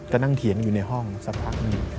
ก็กินอยู่ในห้องในท่าน